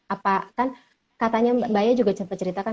apa kan katanya mba ayah juga cepet cerita kan